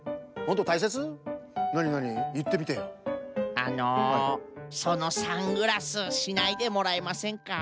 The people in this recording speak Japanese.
あのそのサングラスしないでもらえませんか？